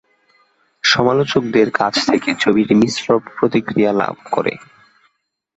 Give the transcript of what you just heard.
সমালোচকদের কাছ থেকে ছবিটি মিশ্র প্রতিক্রিয়া লাভ করে।